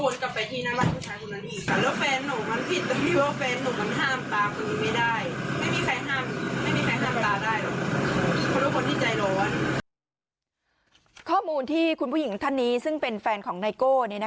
แล้วแฟนหนูสุดท้ายได้จะรับตอนนี้กับบ้าน